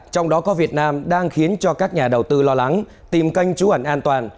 trong đó có việt nam đang khiến cho các nhà đầu tư lo lắng tìm canh trú ẩn an toàn